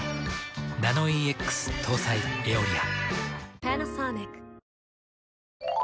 ナノイーＸ搭載「エオリア」。